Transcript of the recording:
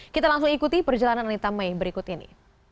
kita langsung ikuti perjalanan anita may berikut ini